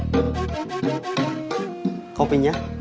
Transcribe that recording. pengiriman ke toko toko sama ekspedisi